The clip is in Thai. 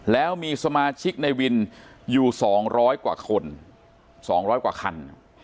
แล้วมีสมาชิกในวินอยู่๒๐๐กว่าคน๒๐๐กว่าคัน